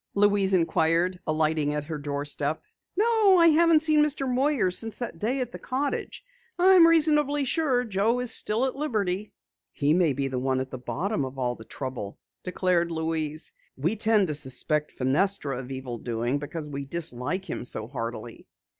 Louise inquired, alighting at her doorstep. "No, I haven't seen Mr. Moyer since that day at the cottage. I'm reasonably sure Joe is still at liberty." "He may be the one at the bottom of all the trouble," declared Louise. "We tend to suspect Fenestra of evil doing because we dislike him so heartily."